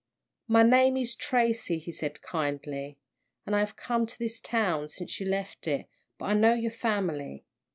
"My name is Tracy," he said, kindly, "and I have come to this town since you left it, but I know your family."